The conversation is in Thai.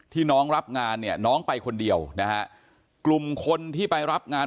น้องรับงานเนี่ยน้องไปคนเดียวนะฮะกลุ่มคนที่ไปรับงาน